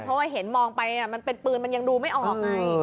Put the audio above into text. เพราะว่าเห็นมองไปมันเป็นปืนมันยังดูไม่ออกไง